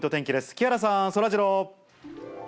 木原さん、そらジロー。